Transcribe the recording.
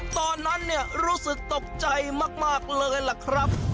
ตอนนั้นเนี่ยรู้สึกตกใจมากเลยล่ะครับ